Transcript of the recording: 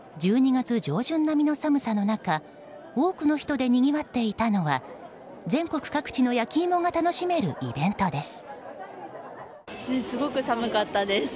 １２月上旬並みの寒さの中多くの人でにぎわっていたのは全国各地の焼き芋が楽しめるイベントです。